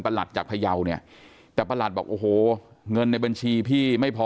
จากพยาวเนี่ยแต่ประหลัดบอกโอ้โหเงินในบัญชีพี่ไม่พอ